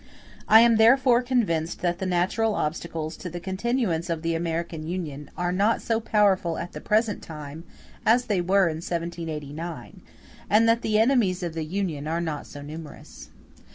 I am therefore convinced that the natural obstacles to the continuance of the American Union are not so powerful at the present time as they were in 1789; and that the enemies of the Union are not so numerous.